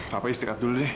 papa istirahat dulu deh